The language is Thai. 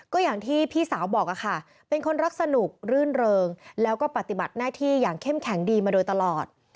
ก็อย่างที่พี่สาวบอกค่ะเป็นคนรักสนุกรื่นเริงแล้วก็ปฏิบัติหน้าที่อย่างเข้มแข็งดีมาโดยตลอด